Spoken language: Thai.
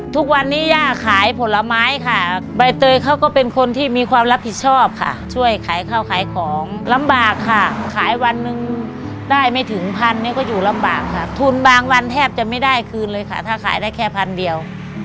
ทุกวันนี้ย่าขายผลไม้ค่ะใบเตยเขาก็เป็นคนที่มีความรับผิดชอบค่ะช่วยขายข้าวขายของลำบากค่ะขายวันหนึ่งได้ไม่ถึงพันเนี่ยก็อยู่ลำบากค่ะทุนบางวันแทบจะไม่ได้คืนเลยค่ะถ้าขายได้แค่พันเดียว